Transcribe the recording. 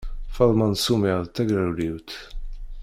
Faḍma n Sumer d tagrawliwt.